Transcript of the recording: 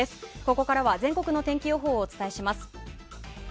ここからは全国の天気予報をお伝えします。